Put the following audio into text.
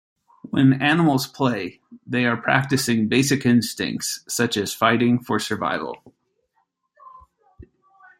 When animals 'play' they are practising basic instincts, such as fighting, for survival.